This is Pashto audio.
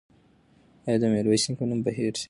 ایا د میرویس نیکه نوم به هېر شي؟